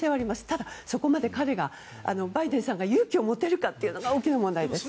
ただ、そこまで彼がバイデンさんが勇気を持てるかというのが大きな問題です。